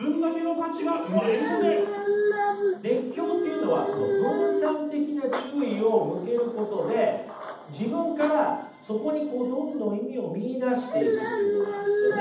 熱狂というのはその分散的な注意を向けることで自分からそこにこうどんどん意味を見いだしていくというものなんですよね。